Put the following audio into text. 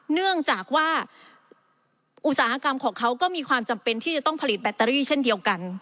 เนื่องจากว่าอุตสาหกรรมของเขาก็มีความจำเป็นที่จะต้องผลิตแบตเตอรี่เช่นเดียวกัน